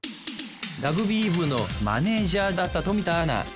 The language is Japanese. ラグビー部のマネージャーだった冨田アナ。